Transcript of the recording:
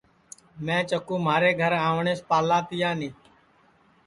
میں چکُو مھارے گھر آوٹؔیس پالا تیانی